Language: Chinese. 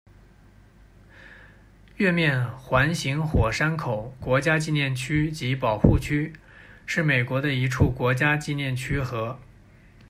月面环形火山口国家纪念区及保护区是美国的一处国家纪念区和。